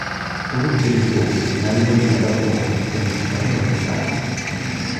பொறுத்திருப்போம், நல்வழி நடப்போம் என்று பதிலளித்தார்.